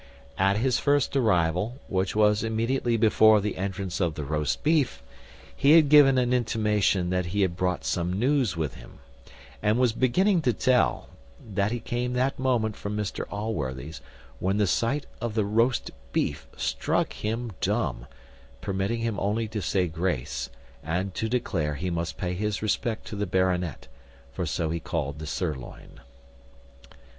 At his first arrival, which was immediately before the entrance of the roast beef, he had given an intimation that he had brought some news with him, and was beginning to tell, that he came that moment from Mr Allworthy's, when the sight of the roast beef struck him dumb, permitting him only to say grace, and to declare he must pay his respect to the baronet, for so he called the sirloin.